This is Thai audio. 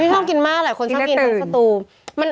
ชอบกินมากหลายคนชอบกินทั้งสตูม